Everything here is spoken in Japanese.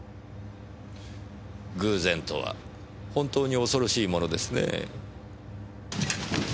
偶然とは本当に恐ろしいものですねぇ。